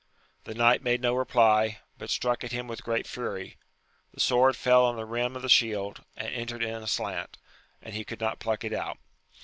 The knight made no reply, but struck at him in great fury : the sword fell on the rim of the shield, and entered in aslimt, and he could not pluck it out.